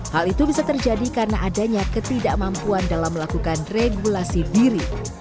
hal itu bisa terjadi karena adanya ketidakmampuan dalam melakukan regulasi diri